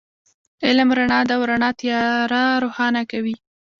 علم رڼا ده، او رڼا تیار روښانه کوي